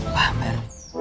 paham pak rw